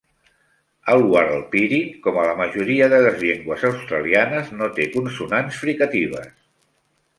El Warlpiri, com la majoria de les llengües australianes, no té consonants fricatives.